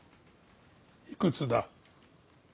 いくつだ？